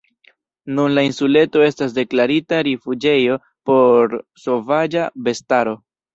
Nun la insuleto estas deklarita rifuĝejo por sovaĝa bestaro.